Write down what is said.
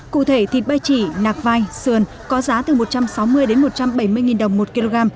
cụ thể thịt bai chỉ nạc vai sườn có giá từ một trăm sáu mươi một trăm năm mươi đồng